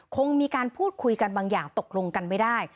คงมีการพูดคุยกันบางอย่างตกลงกันไม่ได้